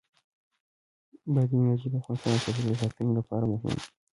بادي انرژي د افغانستان د چاپیریال ساتنې لپاره مهم دي.